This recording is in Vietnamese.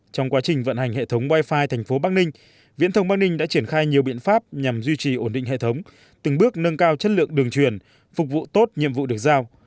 trong quá trình vận hành hệ thống wifi thành phố bắc ninh viễn thông bắc ninh đã triển khai nhiều biện pháp nhằm duy trì ổn định hệ thống từng bước nâng cao chất lượng đường truyền phục vụ tốt nhiệm vụ được giao